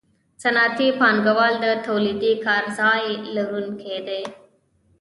صنعتي پانګوال د تولیدي کارځای لرونکي دي